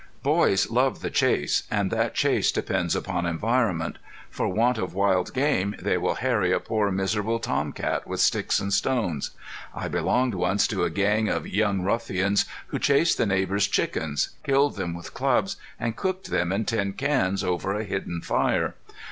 Boys love the chase. And that chase depends upon environment. For want of wild game they will harry a poor miserable tom cat with sticks and stones. I belonged once to a gang of young ruffians who chased the neighbor's chickens, killed them with clubs, and cooked them in tin cans, over a hidden fire.